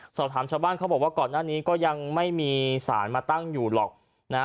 ชาวบ้านเขาบอกว่าก่อนหน้านี้ก็ยังไม่มีสารมาตั้งอยู่หรอกนะ